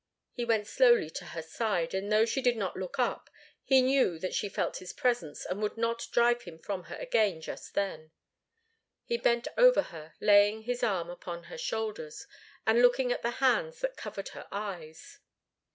He went slowly to her side, and though she did not look up he knew that she felt his presence, and would not drive him from her again just then. He bent over her, laying his arm upon her shoulders, and looking at the hands that covered her eyes.